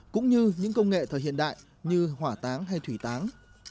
cũng như những công nghệ thời hiện đại như hỏa táng hay thủy táng